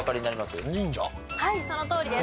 はいそのとおりです。